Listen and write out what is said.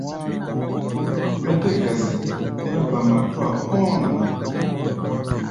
Mɛ́ tɛ́ gasi mɛ́ ba matúa hɔ̧́ɔ̧ ná.